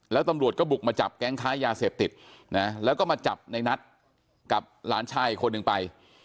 แล้วตำรวจก็บุกมาจับแก๊งค้ายาเสพติดนะแล้วก็มาจับในนัทกับหลานชายอีกคนนึงไป